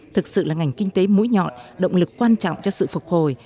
thực sự là ngành kinh tế mũi nhọn động lực quan trọng cho sự phục hồi